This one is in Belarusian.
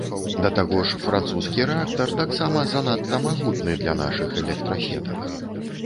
Да таго ж, французскі рэактар таксама занадта магутны для нашых электрасетак.